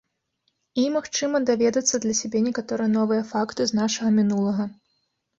І, магчыма, даведацца для сябе некаторыя новыя факты з нашага мінулага.